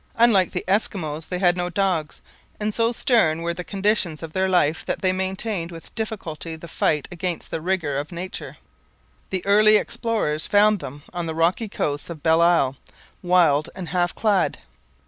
Unlike the Eskimos they had no dogs, and so stern were the conditions of their life that they maintained with difficulty the fight against the rigour of nature. The early explorers found them on the rocky coasts of Belle Isle, wild and half clad.